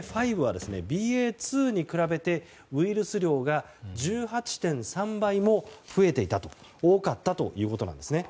．５はＢＡ．２に比べてウイルス量が１８．３倍も増えていたと多かったということです。